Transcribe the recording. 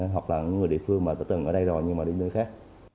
hoặc là những người địa phương mà đã từng ở đây rồi nhưng mà đi đến nơi khác